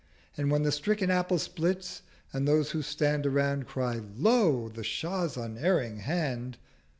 and when The stricken Apple splits. and those who stand 430 Around cry "Lo! the Shah's unerring Hand!"